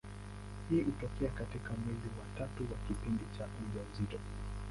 Hii hutokea katika mwezi wa tatu wa kipindi cha ujauzito.